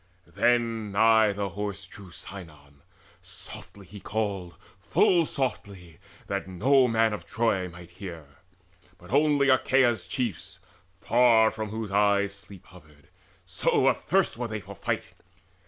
Then nigh the Horse drew Sinon: softly he called, Full softly, that no man of Troy might hear, But only Achaea's chiefs, far from whose eyes Sleep hovered, so athirst were they for fight.